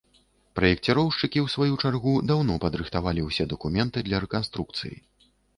Праекціроўшчыкі, у сваю чаргу, даўно падрыхтавалі ўсе дакументы для рэканструкцыі.